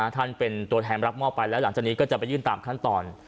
ท่านเป็นตัวแทนรับมอบไปแล้วหลังจากนี้ก็จะไปยื่นตามขั้นตอน